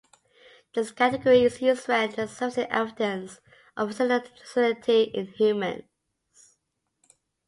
This category is used when there is sufficient evidence of carcinogenicity in humans.